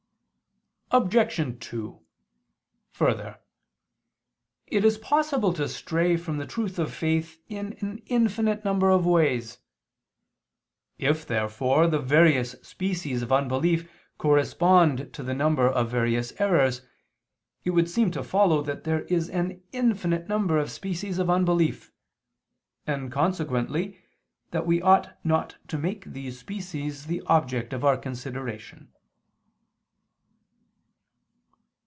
Obj. 2: Further, it is possible to stray from the truth of faith in an infinite number of ways. If therefore the various species of unbelief correspond to the number of various errors, it would seem to follow that there is an infinite number of species of unbelief, and consequently, that we ought not to make these species the object of our consideration.